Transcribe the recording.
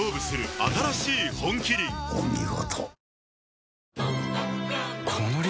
お見事。